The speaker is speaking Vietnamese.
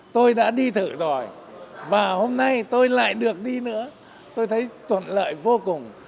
tôi đã đi thử rồi và hôm nay tôi lại được đi nữa tôi thấy thuận lợi vô cùng